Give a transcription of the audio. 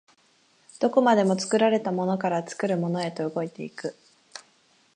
どこまでも作られたものから作るものへと動いて行く。